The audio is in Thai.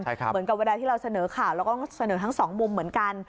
เหมือนกับเวลาที่เราเสนอข่าวแล้วก็เสนอทั้งสองมุมเหมือนกัน